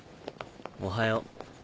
おはよう。